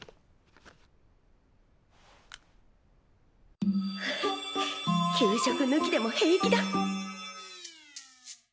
心の声フフッ給食ぬきでも平気だ！